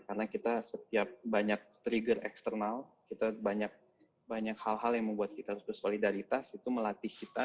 karena kita setiap banyak trigger eksternal kita banyak hal hal yang membuat kita harus bersolidaritas itu melatih kita